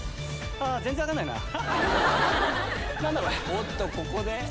おっとここで？